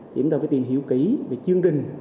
thì chúng ta phải tìm hiểu kỹ về chương trình